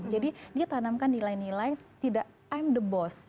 jadi dia tanamkan nilai nilai tidak i'm the boss